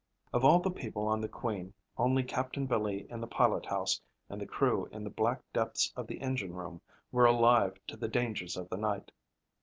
Of all the people on the Queen, only Captain Billy in the pilot house and the crew in the black depths of the engine room were alive to the dangers of the night.